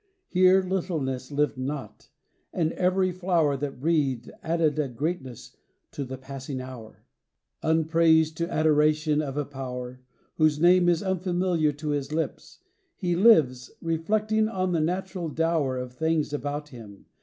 Here littleness lived not; and every flower That breathed added a greatness to the passing hour. CHRISTMAS EVE. 7 VIII. Upraised to adoration of a Power, Whose name is unfamiliar to his lips, He lives, reflecting on the natural dower Of things about him.